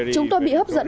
chúng tôi bị hấp dẫn